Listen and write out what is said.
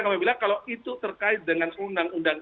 kami bilang kalau itu terkait dengan undang undang